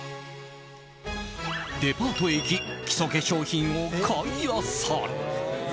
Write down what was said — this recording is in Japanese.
デパートへ行き基礎化粧品を買い漁る。